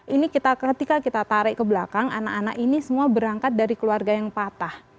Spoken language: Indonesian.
ini ketika kita tarik ke belakang anak anak ini semua berangkat dari keluarga yang patah